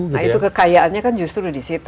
nah itu kekayaannya kan justru di situ